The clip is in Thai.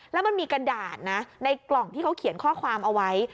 แล้วมันมีกระดาษนะในกล่องที่เขาเขียนข้อความเอาไว้